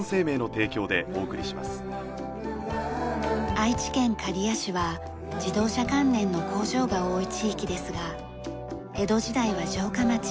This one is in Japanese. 愛知県刈谷市は自動車関連の工場が多い地域ですが江戸時代は城下町。